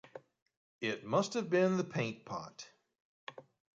It must have been the paint pot.